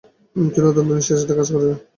তিনি অত্যন্ত নিষ্ঠার সাথে কাজ করে যান।